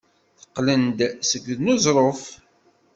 Qqlen-d seg uneẓruf.